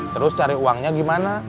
terus cari uangnya gimana